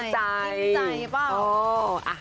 ดิมใจหรือเปล่า